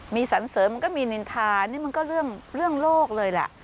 มีสรรเสริมมันก็มีนินทานี่มันก็เรื่องโลกเลยแหละ